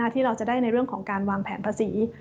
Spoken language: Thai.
ที่เราจะได้ในเรื่องของการวางแผนภาษี